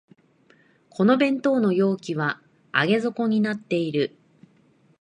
この弁当の容器は上げ底になってる